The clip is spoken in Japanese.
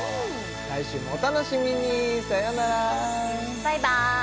来週もお楽しみにさようならバイバーイ